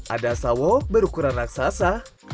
ada sawo berukuran raksasa